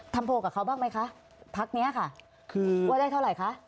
โพลกับเขาบ้างไหมคะพักนี้ค่ะคือว่าได้เท่าไหร่คะ